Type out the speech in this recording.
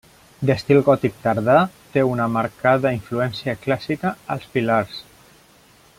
D'estil gòtic tardà, té una marcada influència clàssica als pilars.